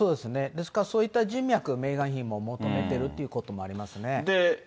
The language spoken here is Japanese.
ですからそういった人脈、メーガン妃も求めてるってこともありますね。